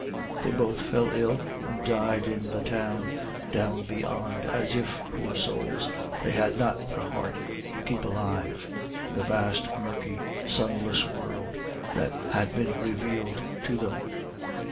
£They both fell ill and died in the Town down Beyond, as if, poor souls, they had not the heart to keep alive in the vast, murky, sunless world that had been revealed to them.